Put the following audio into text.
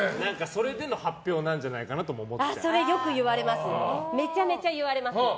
それでの発表なんじゃないかなともそれよく言われます。